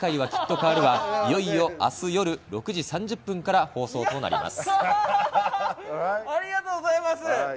世界は、きっと変わる。』はいよいよ明日夜６時３０分から放送となります。